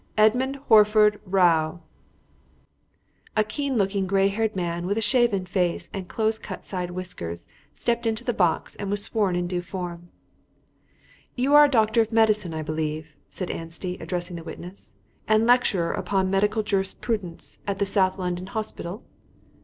"Edmund Horford Rowe!" A keen looking, grey haired man, with a shaven face and close cut side whiskers, stepped into the box and was sworn in due form. "You are a doctor of medicine, I believe," said Anstey, addressing the witness, "and lecturer on Medical Jurisprudence at the South London Hospital?"